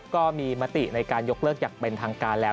ก็มีมติในการยกเลิกอย่างเป็นทางการแล้ว